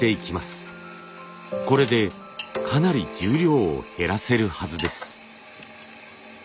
これでかなり重量を減らせるはずです。